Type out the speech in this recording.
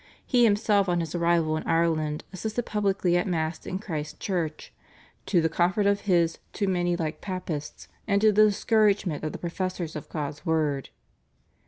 He himself on his arrival in Ireland assisted publicly at Mass in Christ's Church, "to the comfort of his too many like Papists, and to the discouragement of the professors of God's word."